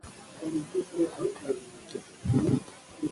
که موږ ټول تمرین وکړو، اضطراب به کم شي.